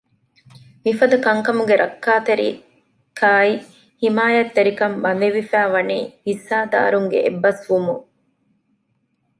މިފަދަ ކަންކަމުގެ ރައްކާތެރިކާއި ހިމާޔަތްތެރިކަން ބަނދެވިފައި ވަނީ ހިއްސާދާރުންގެ އެއްބަސްވުމުން